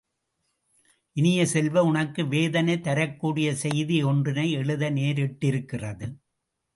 இனிய செல்வ உனக்கு வேதனை தரக்கூடிய செய்தி ஒன்றினை எழுத நேரிட்டிருக்கிறது.